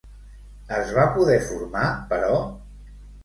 Es va poder formar, però?